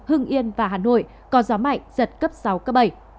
hưng yên và hà nội có gió mạnh giật cấp sáu cấp bảy